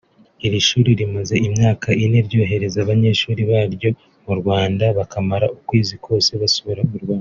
Iri shuri rimaze imyaka ine ryohereza abanyeshuri baryo mu Rwanda bakamara ukwezi kose basura u Rwanda